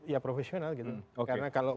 ya profesional gitu karena kalau